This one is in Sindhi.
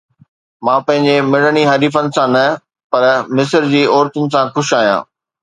مان پنهنجي مڙني حريفن سان نه، پر مصر جي عورتن سان خوش آهيان